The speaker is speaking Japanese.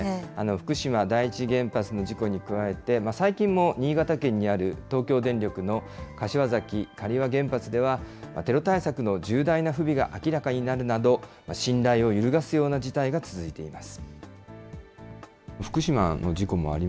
福島第一原発の事故に加えて、最近も新潟県にある東京電力の柏崎刈羽原発では、テロ対策の重大な不備が明らかになるなど、信頼を揺るがすような事態が続いています。